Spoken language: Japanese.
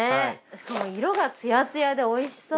しかも色がツヤツヤで美味しそう。